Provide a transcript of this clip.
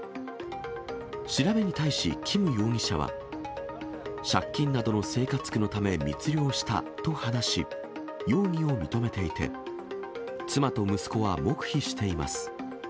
調べに対しキム容疑者は、借金などの生活苦のため密漁したと話し、容疑を認めていて、妻と息子は黙秘しています。